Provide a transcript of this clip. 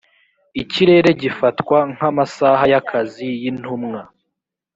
ikirere gifatwa nk’amasaha y’akazi y’intumwa